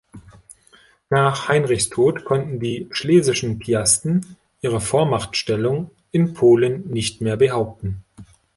Nach Heinrichs Tod konnten die schlesischen Piasten ihre Vormachtstellung in Polen nicht mehr behaupten.